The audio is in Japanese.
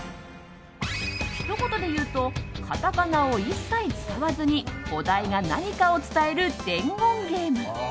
ひと言で言うとカタカナを一切使わずにお題が何かを伝える伝言ゲーム。